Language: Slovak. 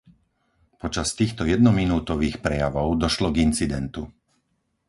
Počas týchto jednominútových prejavov došlo k incidentu.